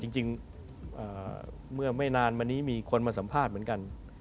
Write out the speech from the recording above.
จริงเมื่อไม่นานมานี้มีคนมาสัมภาษณ์เหมือนกัน